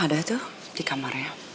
ada tuh di kamarnya